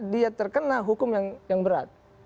dia terkena hukum yang berat